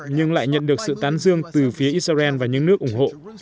nhưng lại nhận được sự tán dương từ phía israel và những nước ủng hộ